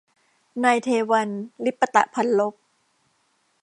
นายเทวัญ ลิปตพัลลภ